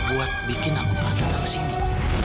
buat bikin aku tak tiba ke sini